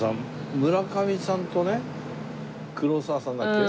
村上さんとね黒沢さんだっけ？